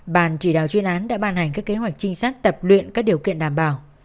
bàn chỉ đạo chuyên án đã ban hành các kế hoạch trinh sát tập luyện các điều kiện đảm bảo